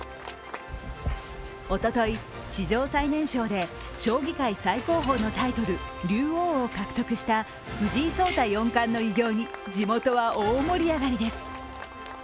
おととい、史上最年少で将棋界最高峰のタイトル竜王を獲得した藤井聡太四冠の偉業に地元は大盛り上がりです。